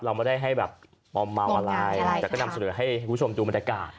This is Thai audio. เราไม่ได้ให้แบบมอมเมาอะไรแต่ก็นำเสนอให้คุณผู้ชมดูบรรยากาศ